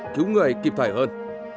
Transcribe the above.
cứu người kịp phải hơn